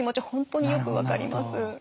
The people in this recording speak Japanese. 本当によく分かります。